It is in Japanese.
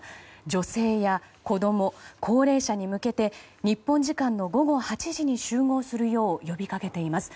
女性や子供、高齢者に向けて日本時間の午後８時に集合するよう呼び掛けています。